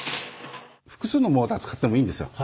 複数のモーター使ってもいいんですよ。